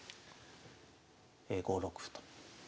５六歩と。